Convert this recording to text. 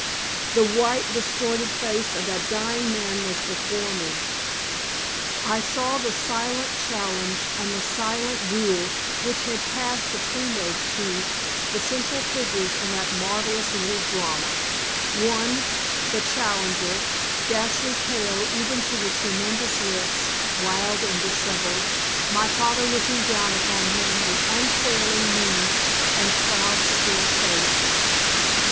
The white, distorted face of that dying man was before me. I saw the silent challenge and the silent duel which had passed between those two, the central figures in that marvellous little drama one, the challenger, ghastly pale even to the tremulous lips, wild and dishevelled, my father looking down upon him with unquailing mien and proud, still face.